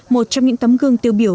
một trong những tấm gương tiêu biểu